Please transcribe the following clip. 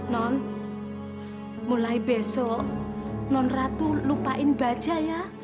non mulai besok non ratu lupain baja ya